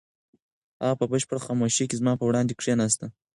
هغه په بشپړه خاموشۍ کې زما په وړاندې کښېناسته.